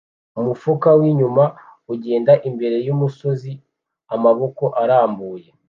Umufuka winyuma agenda imbere yumusozi amaboko arambuye